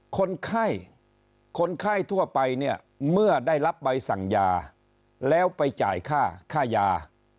คนไข้คนไข้ทั่วไปเนี่ยเมื่อได้รับใบสั่งยาแล้วไปจ่ายค่าค่ายา